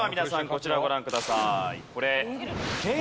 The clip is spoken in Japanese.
こちらをご覧ください。